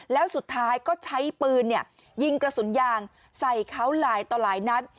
แล้วสุดท้ายก็ใช้ปืนยิงกระสุนยางใส่เขาหลายต่อหลายนัด